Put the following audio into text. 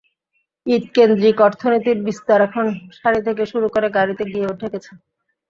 ঈদকেন্দ্রিক অর্থনীতির বিস্তার এখন শাড়ি থেকে শুরু করে গাড়িতে গিয়েও ঠেকেছে।